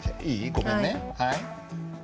ごめんね。